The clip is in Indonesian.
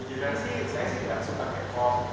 tapi saya tuh suka kek pakai kopi